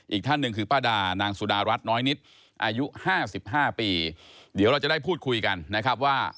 อีกท่านหนึ่งคือป้าดานางสุดารัฐน้อยนิดอายุ๕๕ปีเดี๋ยวเราจะได้พูดคุยกันนะครับว่า